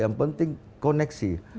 yang penting koneksi